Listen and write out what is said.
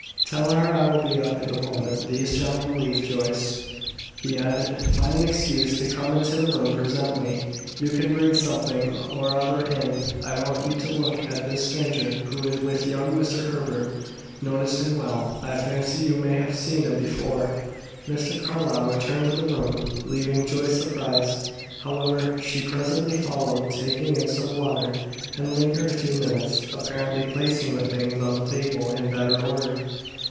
"Tell her I will be up the moment these gentlemen leave, Joyce," he added, "find an excuse to come into the room presently; you can bring something or other in; I want you to look at this stranger who is with young Mr. Herbert. Notice him well; I fancy you may have seen him before." Mr. Carlyle returned to the room, leaving Joyce surprised. However, she presently followed, taking in some water, and lingered a few minutes, apparently placing the things on the table in better order.